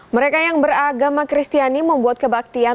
mereka yang beragama kristiani membuat kebaktian